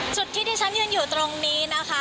จุดที่ที่ฉันยืนอยู่ตรงนี้นะคะ